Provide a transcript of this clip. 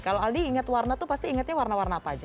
kalau aldi ingat warna tuh pasti ingatnya warna warna apa aja